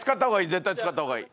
絶対使った方がいい